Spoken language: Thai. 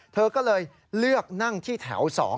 เธอก็เลยเลือกนั่งที่แถว๒